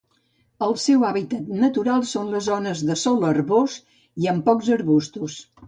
El seu hàbitat natural són les zones de sòl herbós o amb pocs arbustos.